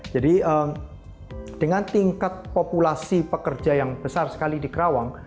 jadi dengan tingkat populasi pekerja yang besar sekali di kerawang